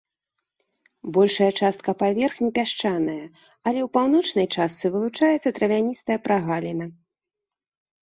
Большая частка паверхні пясчаная, але ў паўночнай частцы вылучаецца травяністая прагаліна.